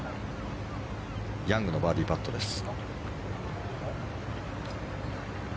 ヤングのバーディーパットです。